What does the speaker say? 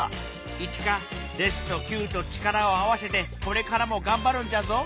「イチカレスとキューと力を合わせてこれからもがんばるんじゃぞ」。